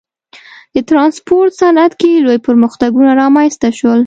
د ټرانسپورت صنعت کې لوی پرمختګونه رامنځته شول.